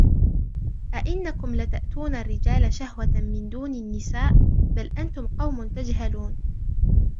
أئنكم لتأتون الرجال شهوة من دون النساء بل أنتم قوم تجهلون